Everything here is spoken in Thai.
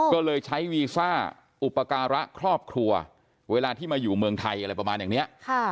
ก็เลยใช้วีซ่าอุปการะครอบครัวเวลาที่มาอยู่เมืองไทยอะไรประมาณอย่างนี้